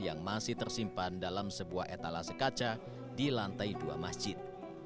yang masih tersimpan dalam sebuah etalase kaca di lantai dua masjid